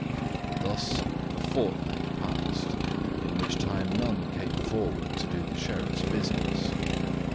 Thus a fortnight passed, in which time none came forward to do the Sheriff's business.